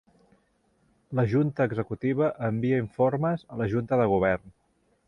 La junta executiva envia informes a la junta de govern.